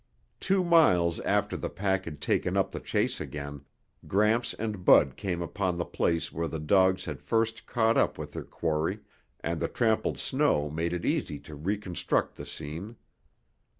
Two miles after the pack had taken up the chase again, Gramps and Bud came upon the place where the dogs had first caught up with their quarry, and the trampled snow made it easy to reconstruct the scene.